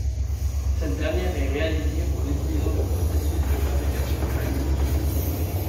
Cette dernière est réalisée en utilisant le processus de fabrication additive.